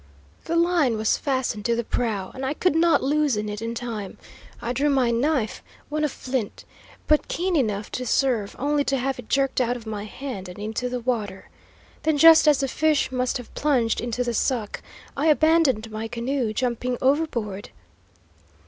"The line was fastened to the prow, and I could not loosen it in time. I drew my knife, one of flint, but keen enough to serve, only to have it jerked out of my hand and into the water. Then, just as the fish must have plunged into the suck, I abandoned my canoe, jumping overboard."